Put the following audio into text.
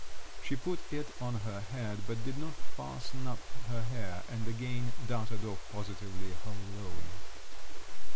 She put it on her head, but did not fasten up her hair, and again darted off, positively holloaing.